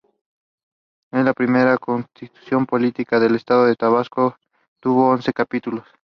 La primera Constitución Política del Estado de Tabasco tuvo once capítulos.